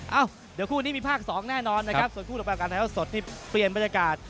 เอ้าเดี๋ยวคู่นี้มีภาคสองแน่นอนนะครับส่วนคู่ต่อไปการถ่ายเท่าสดที่เปลี่ยนบรรยากาศ